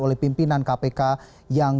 oleh pimpinan kpk yang